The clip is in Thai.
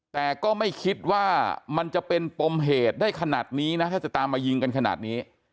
แต่ก็ไม่คิดว่ามันจะเป็นปมเหตุได้ขนาดนี้นะถ้าจะตามมายิงกันขนาดนี้